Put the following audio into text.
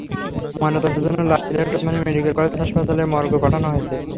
ময়নাতদন্তের জন্য লাশ সিলেট ওসমানী মেডিকেল কলেজ হাসপাতাল মর্গে পাঠানো হয়েছে।